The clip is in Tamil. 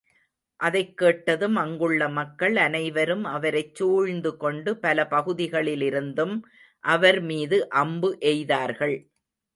அதைக் கேட்டதும் அங்குள்ள மக்கள் அனைவரும் அவரைச் சூழ்ந்து கொண்டு பல பகுதிகளிலிருந்தும் அவர் மீது அம்பு எய்தார்கள்.